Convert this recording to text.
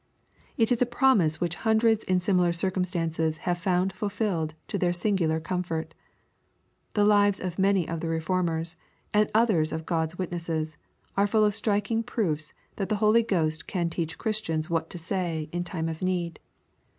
It is a promise which hundreds in similar circumstances have found fulfilled to their singular comfort. The lives of many of the Re formers, and others of God's witnesses, are full of strik ing proofs that the Holy Ghost can teach Christians what to say in time of need.